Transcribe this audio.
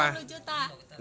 ada dua puluh juta